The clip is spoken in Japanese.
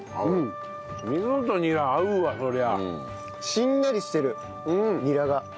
しんなりしてるニラが。